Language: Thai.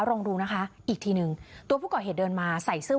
ลองดูนะคะอีกทีหนึ่งตัวผู้ก่อเหตุเดินมาใส่เสื้อ